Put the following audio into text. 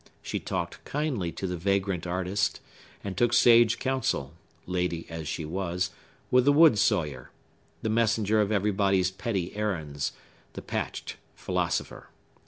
She talked kindly to the vagrant artist, and took sage counsel—lady as she was—with the wood sawyer, the messenger of everybody's petty errands, the patched philosopher.